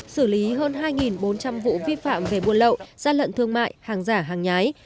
xử lý hơn hai bốn trăm linh vụ vi phạm về buôn lậu gian lận thương mại hàng giả hàng nhái